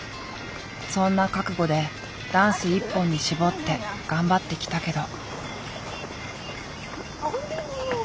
そんな覚悟でダンス一本に絞って頑張ってきたけど。